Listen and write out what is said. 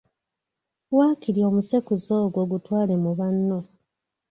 Waakiri omusekuzo ogwo gutwale mu banno.